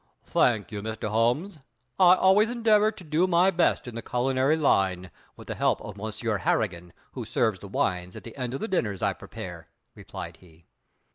"Thank you, Mr. Holmes. I always endeavor to do my best in the culinary line, with the help of Monsieur Harrigan, who serves the wines at the end of the dinners I prepare," replied he.